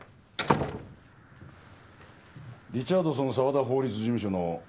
リチャードソン澤田法律事務所の相澤君です。